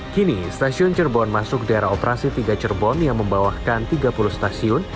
kini stasiun cirebon masuk daerah operasi tiga cerbon yang membawakan tiga puluh stasiun